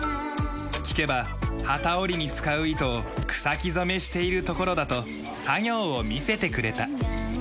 聞けば機織りに使う糸を草木染めしているところだと作業を見せてくれた。